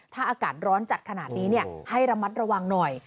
ถ้าอากาศร้อนจัดขนาดนี้ให้ระมัดระวังหน่อย